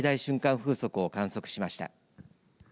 風速を観測しました。